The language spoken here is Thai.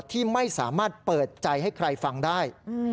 ที่ไม่สามารถเปิดใจให้ใครฟังได้